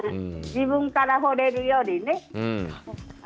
自分からほれるよりね。